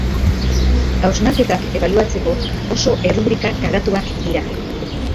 Hausnarketak ebaluatzeko oso errubrika karratuak dira.